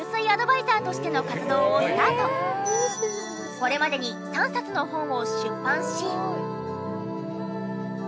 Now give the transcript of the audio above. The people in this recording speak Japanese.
これまでに３冊の本を出版し。